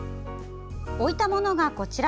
置いたものが、こちら。